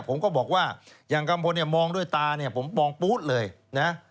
ผมก็บอกว่าอย่างกัมพลเนี่ยมองด้วยตาเนี่ยผมมองปู๊ดเลยนะ